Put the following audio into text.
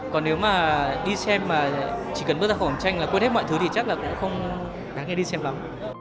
còn nếu mà đi xem mà chỉ cần bước ra khỏi bảng tranh là quên hết mọi thứ thì chắc là cũng không đáng nghe đi xem lắm